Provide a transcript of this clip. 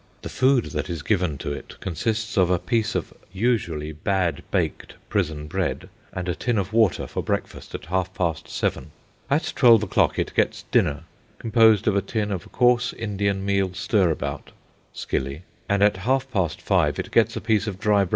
The food that is given to it consists of a piece of usually bad baked prison bread and a tin of water for breakfast at half past seven. At twelve o'clock it gets dinner, composed of a tin of coarse Indian meal stirabout (skilly), and at half past five it gets a piece of dry bread and a tin of water for its supper.